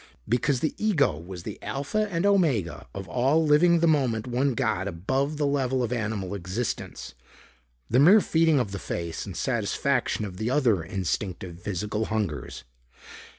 Because the ego was the alpha and omega of all living the moment one got above the level of animal existence, the mere feeding of the face and satisfaction of the other instinctive physical hungers.